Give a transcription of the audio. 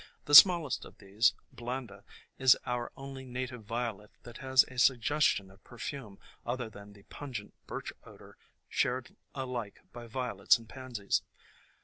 The smallest of these, Blanda, is our only native Violet that has a sugges tion of perfume other than the pungent birch odor shared alike by Violets and Pansies.